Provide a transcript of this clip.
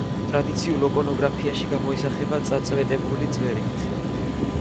ტრადიციულ იკონოგრაფიაში გამოისახება წაწვეტებული წვერით.